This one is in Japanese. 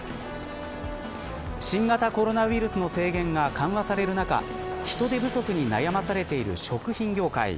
新型コロナウイルスの制限が緩和される中人手不足に悩まされている食品業界。